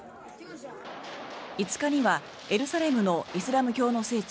５日にはエルサレムのイスラム教の聖地